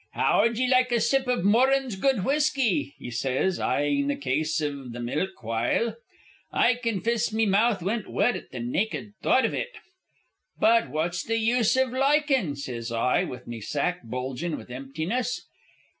'How'd ye like a sip iv Moran's good whiskey?' he sez, eyin' the case iv milk the while. I confiss me mouth went wet at the naked thought iv it. 'But what's the use iv likin'?' sez I, with me sack bulgin' with emptiness.'